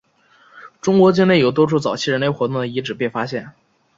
中国境内有多处早期人类活动的遗址被发现。